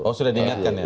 oh sudah diingatkan ya